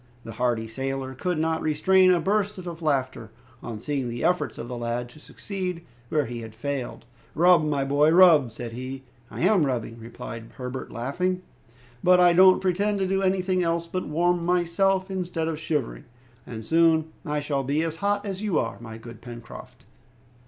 The hardy sailor could not restrain a burst of laughter on seeing the efforts of the lad to succeed where he had failed. "Rub, my boy, rub!" said he. "I am rubbing," replied Herbert, laughing, "but I don't pretend to do anything else but warm myself instead of shivering, and soon I shall be as hot as you are, my good Pencroft!"